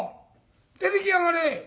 出ていきやがれ！」。